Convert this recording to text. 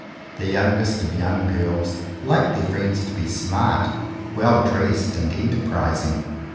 The young est of young girls like their friends to be smart, well dressed and enterprising.